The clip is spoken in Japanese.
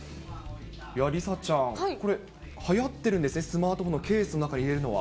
梨紗ちゃん、これ、はやってるんですね、スマートフォンのケースの中に入れるのは。